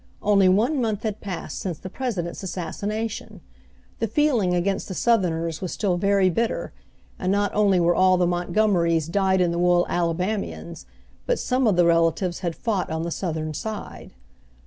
Only one month had passed since the president's assassination; the feeling against the Southerners was still very bitter, and not only were all the Montgomerys dyed in the wool Alabamians, but some of the relatives had fought on the Southern side.